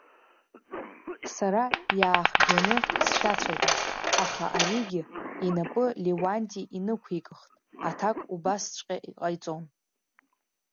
Сара иаахжәаны сшәацәажәон, аха аригьы, инапы Леуанти иниқәикыхт, аҭак убасҵәҟьа иҟаиҵон.